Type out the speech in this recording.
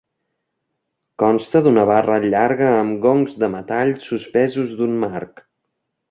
Consta d'una barra llarga amb gongs de metall suspesos d'un marc.